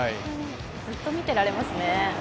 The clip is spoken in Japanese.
ずっと見ていられますね。